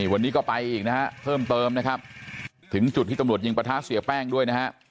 วันนี้ก็ไปอีกเพิ่มเติมถึงจุดที่ตำรวจยิงปะทะเสียแป้งด้วย